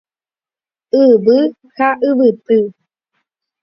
Yvy ha yvyty.